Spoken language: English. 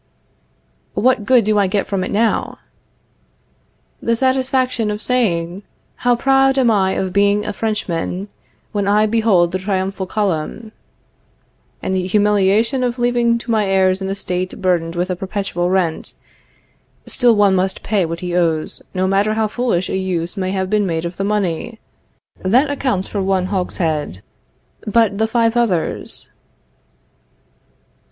What good do I get from it now? The satisfaction of saying: How proud am I of being a Frenchman When I behold the triumphal column, And the humiliation of leaving to my heirs an estate burdened with a perpetual rent. Still one must pay what he owes, no matter how foolish a use may have been made of the money. That accounts for one hogshead, but the five others?